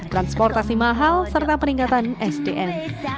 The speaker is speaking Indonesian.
transportasi mahal serta peningkatan sdm